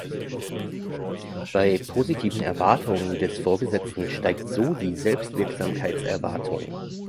Bei positiven Erwartungen des Vorgesetzten steigt so die Selbstwirksamkeitserwartung.